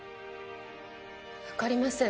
わかりません